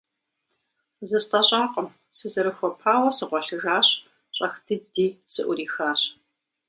ЗыстӀэщӀакъым, сызэрыхуэпауэ сыгъуэлъыжащ, щӀэх дыди сыӀурихащ.